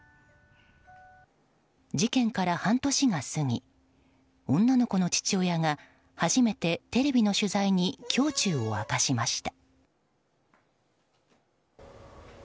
事件から半年が過ぎ女の子の父親が初めてテレビの取材に胸中を明かしました。